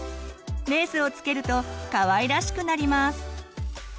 レースを付けるとかわいらしくなります。